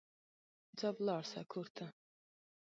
ځه ولاړ سه کور ته